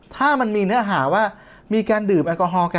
ถ้ามันมีเนื้อหาว่ามีการดื่มแอลกอฮอลกัน